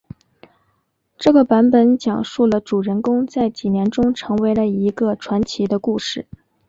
这个版本讲述了主人公在几年中成为了一个传奇的故事。